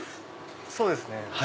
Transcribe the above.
そうですね。